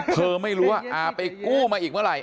เธอไม่รู้ว่าอาไปกู้มาอีกเมื่อไหร่